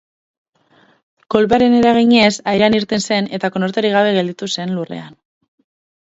Kolpearen eraginez, airean irten zen eta konorterik gabe gelditu zen lurrean.